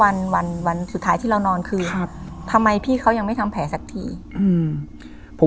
วันวันสุดท้ายที่เรานอนคือครับทำไมพี่เขายังไม่ทำแผลสักทีอืมผม